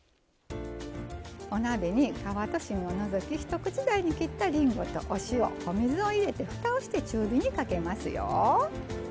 お鍋に皮と芯を除いて一口大に切ったりんごとお塩、お水を入れて、ふたをして中火にかけますよ。